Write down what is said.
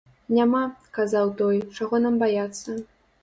Няма, казаў той, чаго нам баяцца.